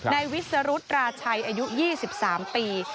นายวิสุทธิ์ราชัยอายุ๒๓ปี